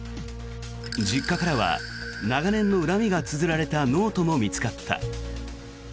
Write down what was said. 実家からは長年の恨みがつづられたノートも見つかった。